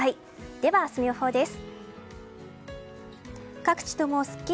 では明日の予報です。